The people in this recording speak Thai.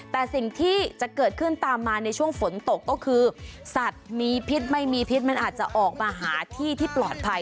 แต่สิ่งที่จะเกิดขึ้นตามมาในช่วงฝนตกก็คือสัตว์มีพิษไม่มีพิษมันอาจจะออกมาหาที่ที่ปลอดภัย